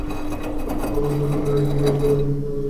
তখন দুই কন্যার একজন তাঁর পিতাকে বললেন, হে আমার পিতা!